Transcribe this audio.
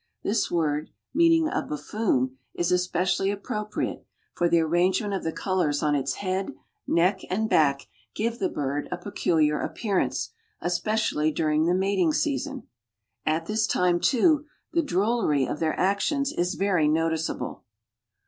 This word, meaning a buffoon, is especially appropriate, for the arrangement of the colors on its head, neck and back give the bird a peculiar appearance, especially during the mating season. At this time, too, the drollery of their actions is very noticeable.